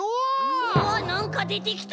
うわなんかでてきた！